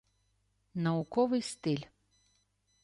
Науковий стиль